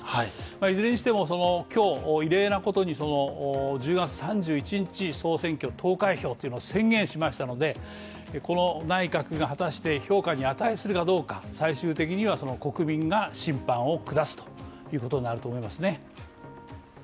いずれにしても今日を異例なことにその１０月３１日総選挙投開票というのを宣言しましたのでこの内閣が果たして評価に値するかどうか、最終的にはその国民が審判を下すということになると思いますね。